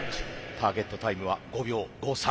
ターゲットタイムは５秒５３。